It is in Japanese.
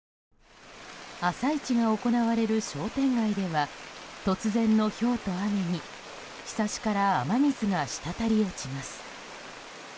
朝一に行われる商店街では突然のひょうと雨にひさしから雨水がしたたり落ちます。